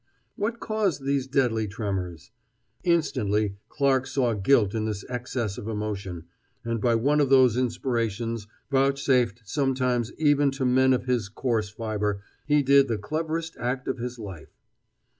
What caused these deadly tremors? Instantly Clarke saw guilt in this excess of emotion, and by one of those inspirations vouchsafed sometimes even to men of his coarse fiber he did the cleverest act of his life.